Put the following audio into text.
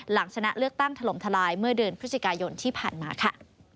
หลังชนะเลือกตั้งถล่มทลายเมื่อเดือนพฤศจิกายนที่ผ่านมาค่ะ